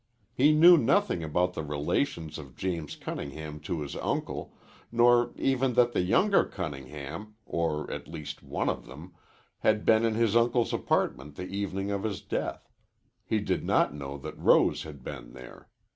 He knew nothing about the relations of James Cunningham to his uncle, nor even that the younger Cunninghams or at least one of them had been in his uncle's apartment the evening of his death. He did not know that Rose had been there.